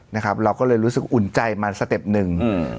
นะครับเราก็เลยรู้สึกอุ่นใจมันสเต็ปหนึ่งอืม